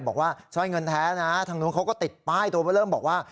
บอกว่าสร้อยเงินแท้นะทางนู้นเขาก็ติดป้ายตัวเบอร์เริ่มบอกว่า